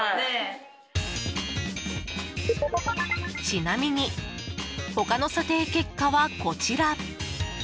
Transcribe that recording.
ちなみに他の査定結果はこちら。